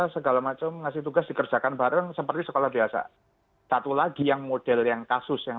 segala macam ngasih tugas dikerjakan bareng seperti sekolah biasa satu lagi yang model yang kasus yang